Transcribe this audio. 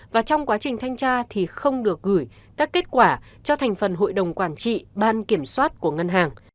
và trong quá trình thanh tra thì không được gửi các kết quả cho thành phần hội đồng quản trị ban kiểm soát của ngân hàng